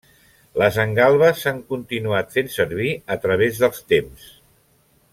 Les engalbes s'han continuat fent servir a través dels temps.